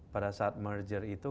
pada saat merger itu